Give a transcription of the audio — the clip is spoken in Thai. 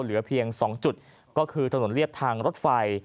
เหลือเพียง๒จุดก็คือถนนเรียบทางรถไฟ